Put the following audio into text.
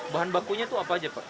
bahan bakunya itu apa aja pak